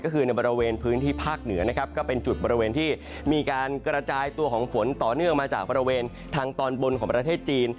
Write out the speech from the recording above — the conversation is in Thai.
ก็คือในบริเวณพื้นที่ภาคเหนือนะครับก็เป็นจุดบริเวณที่มีการกระจายตัวของฝนต่อเนื่องมาจากบริเวณทางตอนบนของประเทศจีน